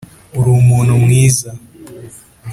uri umuntu mwiza